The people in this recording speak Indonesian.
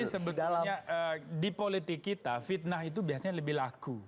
tapi sebetulnya di politik kita fitnah itu biasanya lebih laku